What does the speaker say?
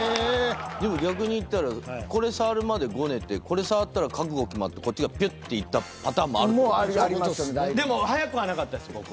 でも逆に言ったらこれ触るまでごねてこれ触ったら覚悟決まってこっち側ピュッていったパターンもあるって事でしょ？